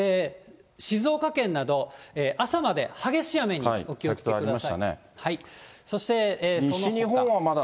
静岡県など、朝まで激しい雨にお気をつけください。